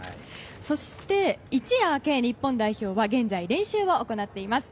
そして、一夜明け日本代表は現在、練習を行っています。